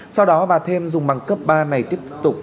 sau đó bà thêm dùng bằng cấp ba này tiếp tục